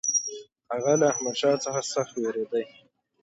هغه له احمدشاه څخه سخت وېرېدی.